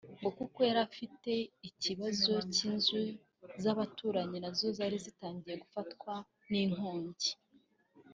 ngo kuko yari afite ikibazo cy’inzu z’abaturanyi nazo zari zitangiye gufatwa n’inkongi